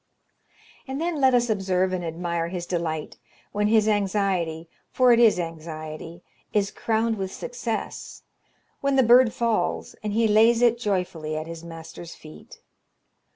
And then let us observe and admire his delight when his anxiety for it is anxiety is crowned with success when the bird falls, and he lays it joyfully at his master's feet.